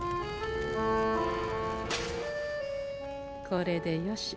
これでよし。